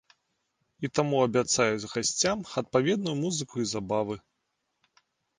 І таму абяцаюць гасцям адпаведную музыку і забавы.